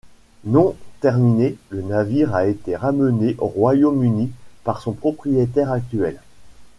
Non terminé, le navire a été ramené au Royaume-Uni par son propriétaire actuel.